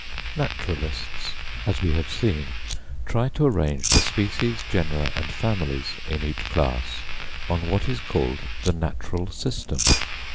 Naturalists, as we have seen, try to arrange the species, genera and families in each class, on what is called the Natural System.